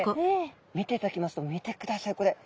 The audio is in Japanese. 見ていただきますと見てくださいこれ。